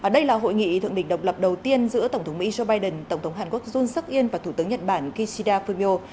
đây là hội nghị thượng đỉnh độc lập đầu tiên giữa tổng thống mỹ joe biden tổng thống hàn quốc jun suk in và thủ tướng nhật bản kishida fumio